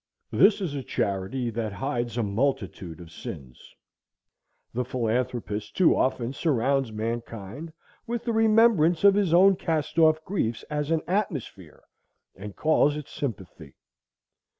This is a charity that hides a multitude of sins. The philanthropist too often surrounds mankind with the remembrance of his own cast off griefs as an atmosphere, and calls it sympathy.